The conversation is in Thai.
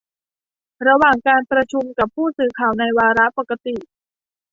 ระหว่างการประชุมกับผู้สื่อข่าวในวาระปกติ